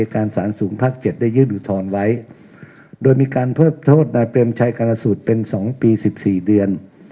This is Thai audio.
การสารสูงภาค๗ได้ยื่นอุทธรณ์ไว้โดยมีการเพิ่มโทษนายเปรมชัยกรสูตรเป็น๒ปี๑๔เดือน